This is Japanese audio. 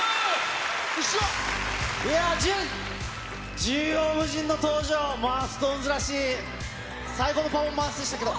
いやー、縦横無尽の登場、ＳｉｘＴＯＮＥＳらしい、最高のパフォーマンスでしたけど。